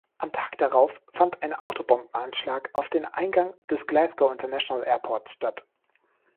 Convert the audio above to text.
Am Tag darauf fand ein Autobombenanschlag auf den Eingang des Glasgow International Airport statt.